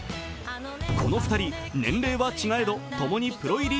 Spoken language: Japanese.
この２人、年齢は違えど共にプロイリ